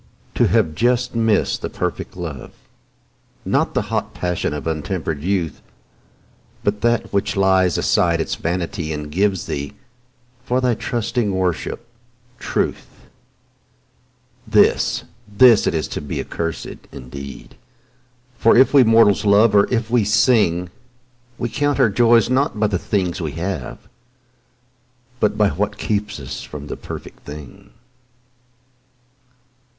To have just missed the perfect love, Not the hot passion of untempered youth, But that which lays aside its vanity And gives thee, for thy trusting worship, truth— This, this it is to be accursed indeed; For if we mortals love, or if we sing, We count our joys not by the things we have, But by what kept us from the perfect thing.